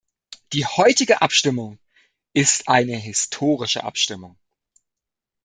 Die heutige Abstimmung ist eine historische Abstimmung.